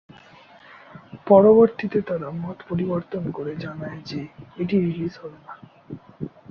পরবর্তীতে তারা মত পরিবর্তন করে জানায় যে এটি রিলিজ হবে না।